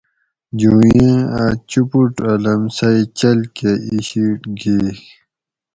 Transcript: جوئیں اۤ چوپوٹ ا لمسئی چل کہ ای شیٹ گھئیگ